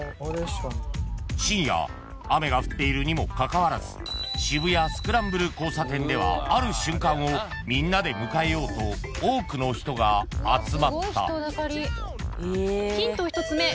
［深夜雨が降っているにもかかわらず渋谷スクランブル交差点ではある瞬間をみんなで迎えようと多くの人が集まった］